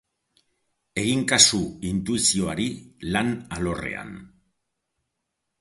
Egin kasu intuizioari lan alorrean.